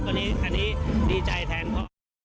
ก็นี่ดีใจแทนพ่อ